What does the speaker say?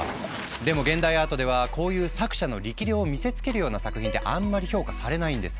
でも現代アートではこういう作者の力量を見せつけるような作品ってあんまり評価されないんです。